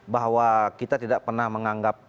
bahwa kita tidak pernah menganggap